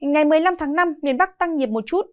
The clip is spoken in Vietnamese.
ngày một mươi năm tháng năm miền bắc tăng nhiệt một chút